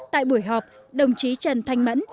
tại buổi họp đồng chí trần thanh mẫn